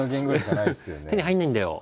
手に入らないんだよ